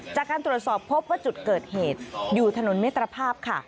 จากการตรวจสอบพบว่าจุดเกิดเหตุอยู่ถนนมิตรภาพค่ะ